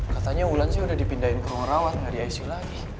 katanya ulan sih udah dipindahin ke ruang rawat gak di icu lagi